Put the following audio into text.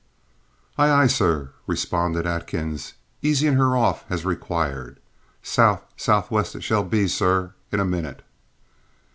"Aye, aye, sir," responded Atkins, easing her off as required. "Sou' sou' west it shall be, sir, in a minute."